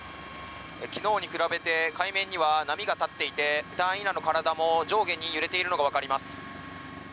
昨日に比べて海面には波が立っていて隊員らの体も上下に揺れているのがわかります。